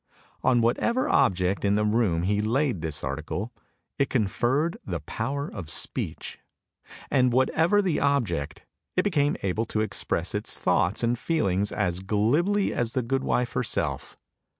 On whatever object in the room he laid this article, it conferred the power of speech, and whatever the object, it became able to express its thoughts and feelings as glibly as the goodwife herself.